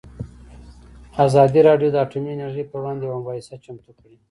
ازادي راډیو د اټومي انرژي پر وړاندې یوه مباحثه چمتو کړې.